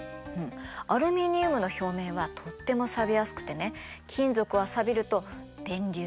アルミニウムの表面はとってもさびやすくてね金属はさびると電流が流れないの。